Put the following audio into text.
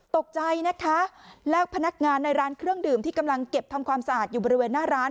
ตกใจนะคะแล้วพนักงานในร้านเครื่องดื่มที่กำลังเก็บทำความสะอาดอยู่บริเวณหน้าร้าน